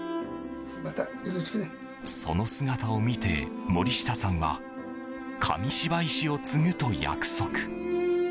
その姿を見て、森下さんは紙芝居師を継ぐと約束。